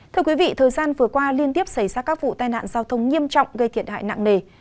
thưa quý vị thời gian vừa qua liên tiếp xảy ra các vụ tai nạn giao thông nghiêm trọng gây thiệt hại nặng nề